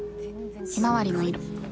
ひまわりの色。